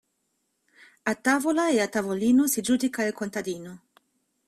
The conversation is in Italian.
A tavola e a tavolino si giudica il contadino.